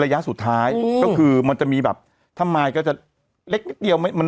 ระยะสุดท้ายก็คือมันจะมีแบบทำไมก็จะเล็กนิดเดียว